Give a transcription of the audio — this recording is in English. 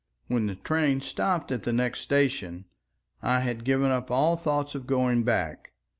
When the train stopped at the next station I had given up all thoughts of going back.